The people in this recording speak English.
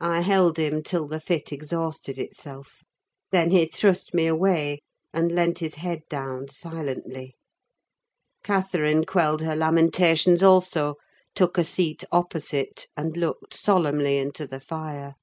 I held him till the fit exhausted itself. Then he thrust me away, and leant his head down silently. Catherine quelled her lamentations also, took a seat opposite, and looked solemnly into the fire.